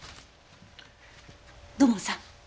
土門さん。